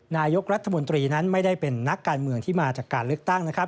นายกรัฐมนตรีนั้นไม่ได้เป็นนักการเมืองที่มาจากการเลือกตั้งนะครับ